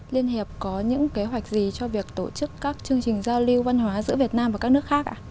liên hiệp có những kế hoạch gì cho việc tổ chức các chương trình giao lưu văn hóa giữa việt nam và các nước khác ạ